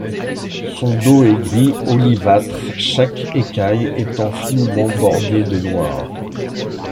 Son dos est gris olivâtre, chaque écaille étant finement bordée de noir.